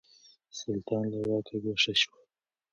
سلطان له واکه ګوښه شو.